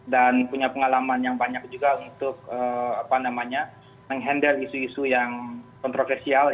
dan punya pengalaman yang banyak juga untuk menghandle isu isu yang kontroversial